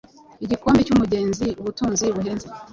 igikombe cyumugeziubutunzi buhenze-